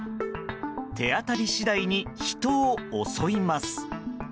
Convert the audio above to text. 手当たり次第に人を襲います。